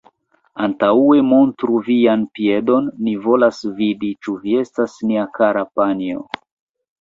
Antaŭe montru vian piedon, ni volas vidi, ĉu vi estas nia kara panjo.